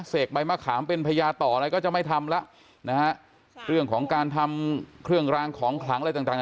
เสกใบมะขามเป็นพญาต่ออะไรก็จะไม่ทำแล้วนะฮะเรื่องของการทำเครื่องรางของขลังอะไรต่างต่าง